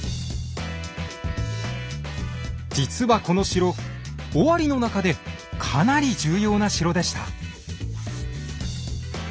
実はこの城尾張の中でかなり重要な城でした。